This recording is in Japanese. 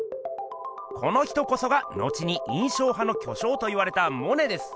この人こそが後に印象派の巨匠といわれたモネです。